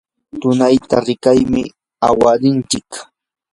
tunayta rikakuqmi aywanchik.